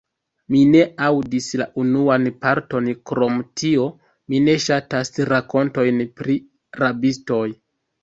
Mi ne aŭdis la unuan parton; krom tio, mi ne ŝatas rakontojn pri rabistoj.